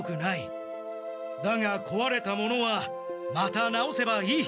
だがこわれたものはまた直せばいい。